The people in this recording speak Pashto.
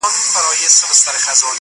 ستا په يادونو كي راتېره كړله;